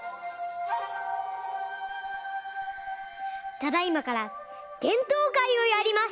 ただいまからげんとうかいをやります。